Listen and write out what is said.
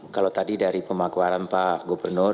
kalau tadi dari pemakuan pak gubernur